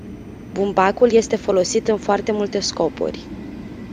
Bumbacul este folosit în foarte multe scopuri.